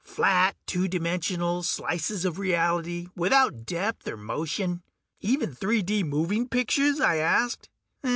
"Flat, two dimensional slices of reality, without depth or motion." "Even 3 D moving pictures?" I asked.